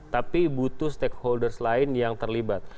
tapi butuh stakeholders lain yang terlibat